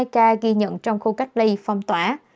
một trăm tám mươi hai ca ghi nhận trong khu cách ly phong tỏa